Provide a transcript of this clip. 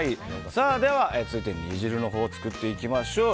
では、続いて煮汁のほうを作っていきましょう。